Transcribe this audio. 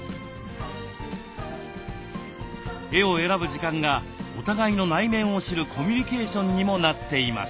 絵を選ぶ時間がお互いの内面を知るコミュニケーションにもなっています。